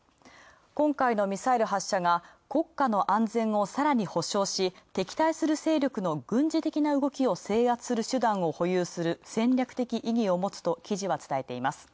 今回のミサイル発射が国家の安全をさらに保障し、敵対する勢力の軍事的な動きを制圧する手段を保有する戦略的意味を持つと記事は伝えている。